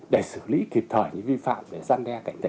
để xử lý kịp thời những vi phạm để gian đe cảnh báo